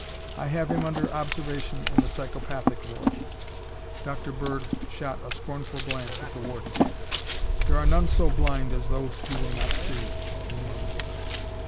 I have him under observation in the psychopathic ward." Dr. Bird shot a scornful glance at the warden. "'There are none so blind as those who will not see'," he murmured.